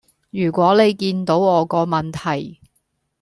如果你見到我個問題